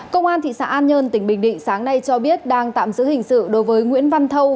công an thị xã an nhơn tỉnh bình định sáng nay cho biết đang tạm giữ hình sự đối với nguyễn văn thâu